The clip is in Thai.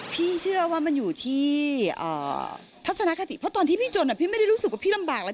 พี่เชื่อว่ามันอยู่ที่ทัศนคติเพราะตอนที่พี่จนพี่ไม่ได้รู้สึกว่าพี่ลำบากแล้ว